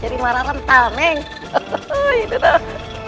jadi marah rentah meh